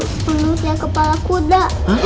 hantu manusia kepala kuda